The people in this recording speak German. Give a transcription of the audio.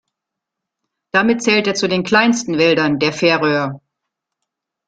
Damit zählt er zu den kleinsten Wäldern der Färöer.